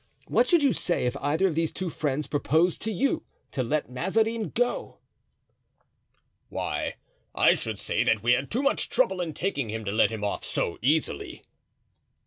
What should you say if either of these two friends proposed to you to let Mazarin go?" "Why, I should say that we had too much trouble in taking him to let him off so easily."